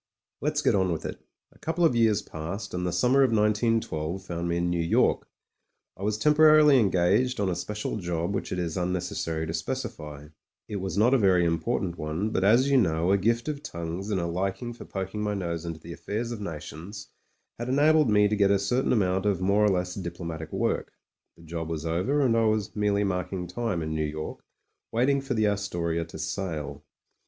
Let's get on with it. A couple of years passed, and the summer of 191 2 found me in New York. I was temporarily engaged on a special job which it is unnecessary to specify. It was not a very impor tant one, but, as you know, a gift of tongues and a liking for poking my nose into the affairs of nations had enabled me to get a certain amount of more or less diplomatic work. The job was over, and I was merely marking time in New York waiting for the Astoria to sail.